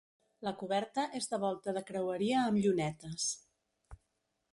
La coberta és de volta de creueria amb llunetes.